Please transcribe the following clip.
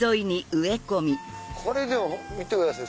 これ見てください。